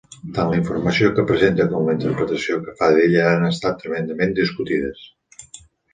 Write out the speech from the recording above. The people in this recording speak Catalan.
Tant la informació que presenta com la interpretació que fa d'ella han estat tremendament discutides.